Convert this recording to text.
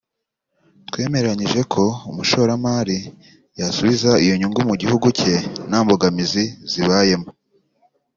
twemeranyije ko umushoramari yasubiza iyo nyungu mu gihugu cye nta mbogamizi zibayemo